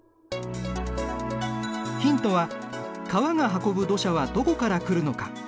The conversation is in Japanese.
ヒントは川が運ぶ土砂はどこから来るのか。